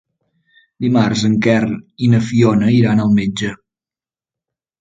Dimarts en Quer i na Fiona iran al metge.